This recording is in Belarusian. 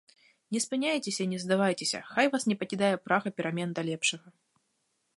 Не спыняйцеся і не здавайцеся, хай вас не пакідае прага перамен да лепшага!